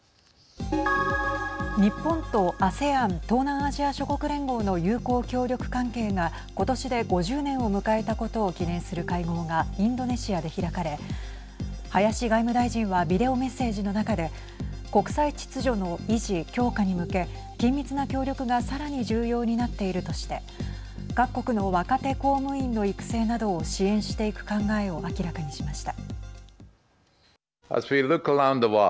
日本とＡＳＥＡＮ＝東南アジア諸国連合の友好協力関係が今年で５０年を迎えたことを記念する会合がインドネシアで開かれ林外務大臣はビデオメッセージの中で国際秩序の維持・強化に向け緊密な協力がさらに重要になっているとして各国の若手公務員の育成などを支援していく考えを明らかにしました。